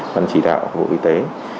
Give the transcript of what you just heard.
ban chỉ đạo bộ y tế